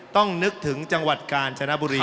ต้องนึกถึงจังหวัดกาญจนบุรี